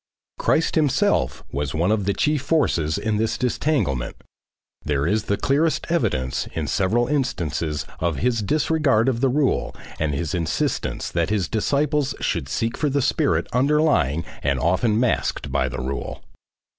Christ himself was one of the chief forces in this disentanglement, there is the clearest evidence in several instances of his disregard of the rule and his insistence that his disciples should seek for the spirit underlying and often masked by the rule.